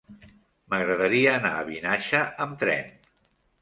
M'agradaria anar a Vinaixa amb tren.